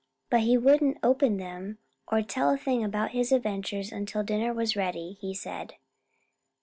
But he wouldn't open them or tell a thing about his adventures until dinner was ready, he said.